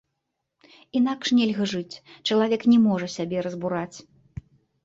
Інакш нельга жыць, чалавек не можа сябе разбураць.